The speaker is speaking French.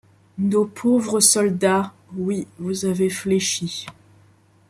nos pauvres soldats, oui, vous avez fléchi.